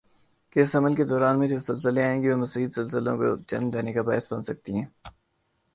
کہ اس عمل کی دوران میں جو زلزلی آئیں گی وہ مزید زلزلوں کو جنم دینی کا باعث بن سکتی ہیں